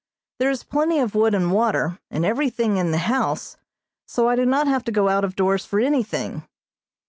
There is plenty of wood and water, and everything in the house, so I do not have to go out of doors for anything.